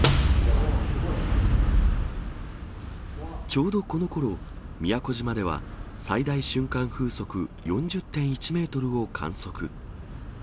ちょうどこのころ、宮古島では最大瞬間風速４０．１メートルを観測。